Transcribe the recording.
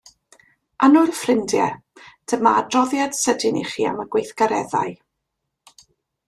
Annwyl ffrindie, dyma adroddiad sydyn i chi am y gweithgareddau.